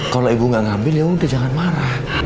kalau ibu nggak ngambil ya udah jangan marah